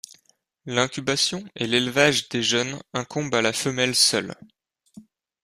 L’incubation et l’élevage des jeunes incombent à la femelle seule.